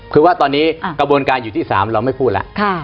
คือว่าตอนนี้กระบวนการอยู่ที่๓เราไม่พูดแล้ว